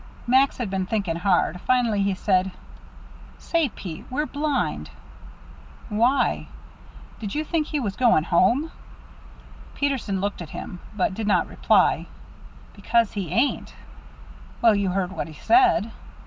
Max had been thinking hard. Finally he said: "Say, Pete, we're blind." "Why?" "Did you think he was going home?" Peterson looked at him, but did not reply. "Because he ain't." "Well, you heard what he said."